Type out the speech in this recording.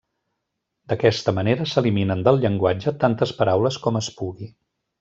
D'aquesta manera s'eliminen del llenguatge tantes paraules com es pugui.